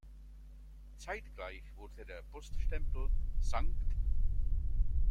Zeitgleich wurde der Poststempel „St.